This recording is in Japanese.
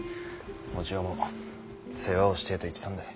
お千代も世話をしてぇと言ってたんだ。